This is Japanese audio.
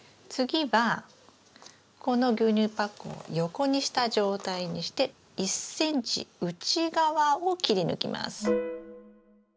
次はこの牛乳パックを横にした状態にして１ｃｍ内側を切り抜きます。